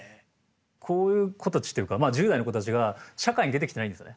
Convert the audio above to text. こういう子たちっていうかまあ１０代の子たちが社会に出てきてないんですよね。